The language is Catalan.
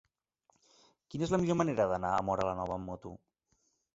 Quina és la millor manera d'anar a Móra la Nova amb moto?